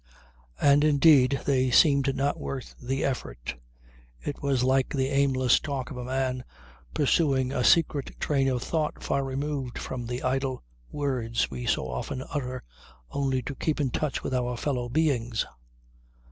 And indeed they seemed not worth the effort. It was like the aimless talk of a man pursuing a secret train of thought far removed from the idle words we so often utter only to keep in touch with our fellow beings.